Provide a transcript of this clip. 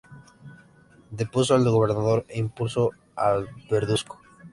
Depuso al gobernador e impuso a Verduzco.